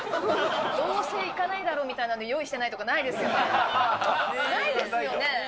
どうせいかないだろうと思って、用意してないとかないですよね？